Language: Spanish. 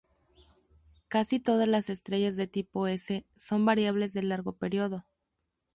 Casi todas las estrellas de tipo S son variables de largo período.